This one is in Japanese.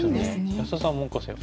安田さん門下生は？